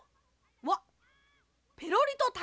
わっペロリとたいらげあ！